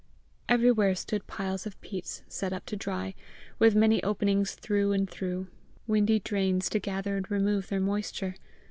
Everywhere stood piles of peats set up to dry, with many openings through and through, windy drains to gather and remove their moisture.